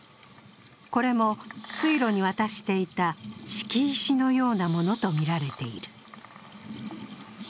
これも水路に渡していた敷石のようなものとみられている。